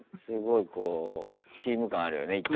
すごいチーム感あるよね